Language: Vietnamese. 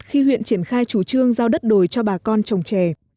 khi huyện triển khai chủ trương giao đất đồi cho bà con trồng trè